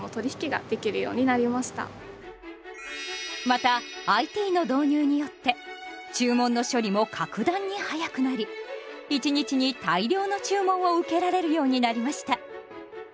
またＩＴの導入によって注文の処理も格段に早くなり１日に大量の注文を受けられるようになりました。